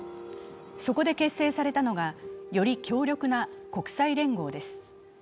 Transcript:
そこで結成されたのが、より強力な国際連合です。